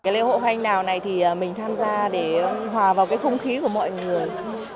lễ hội hoa anh đào này thì mình tham gia để hòa vào cái không khí của mọi người